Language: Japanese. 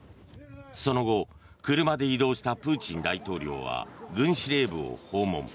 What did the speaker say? その後、車で移動したプーチン大統領は軍司令部を訪問。